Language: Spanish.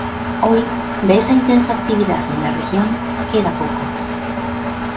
Hoy, de esa intensa actividad en la región queda poco.